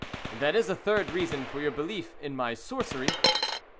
"That is a third reason for your belief in my sorcery!"